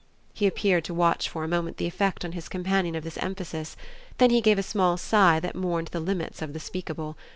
He appeared to watch for a moment the effect on his companion of this emphasis; then he gave a small sigh that mourned the limits of the speakable.